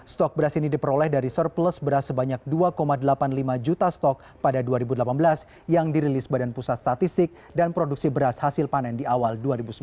stok beras ini diperoleh dari surplus beras sebanyak dua delapan puluh lima juta stok pada dua ribu delapan belas yang dirilis badan pusat statistik dan produksi beras hasil panen di awal dua ribu sembilan belas